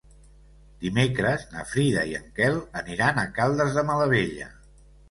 Dimecres na Frida i en Quel aniran a Caldes de Malavella.